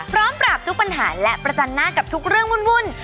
ปราบทุกปัญหาและประจันหน้ากับทุกเรื่องวุ่น